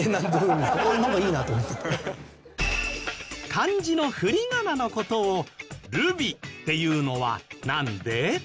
漢字のふりがなの事を「ルビ」っていうのはなんで？